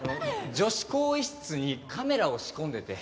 女子更衣室にカメラを仕込んでて。